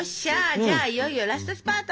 じゃあいよいよラストスパート！